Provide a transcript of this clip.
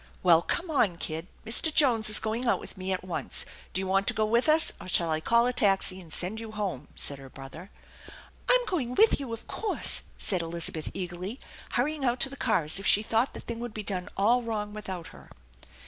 " Well, come on, kid. Mr. Jones is going out with me at once. Do you want to go with us, or shall I call a taxi and send you home ?" asked her brother. " I'm going with you, of course," said Elizabeth eagerly, hurrying out to the car as if she thought the thing would be done all wrong without her.